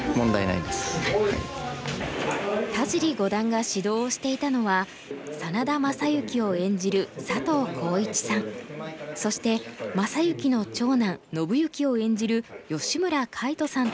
田尻五段が指導をしていたのは真田昌幸を演じる佐藤浩市さんそして昌幸の長男信幸を演じる吉村界人さんとの対局シーン。